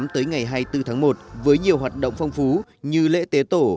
tới ngày hai mươi bốn tháng một với nhiều hoạt động phong phú như lễ tế tổ